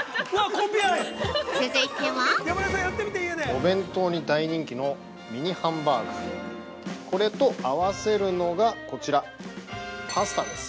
◆お弁当に大人気のミニハンバーグ、これと合わせるのがこちら、パスタです。